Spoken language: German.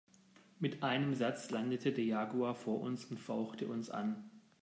Mit einem Satz landete der Jaguar vor uns und fauchte uns an.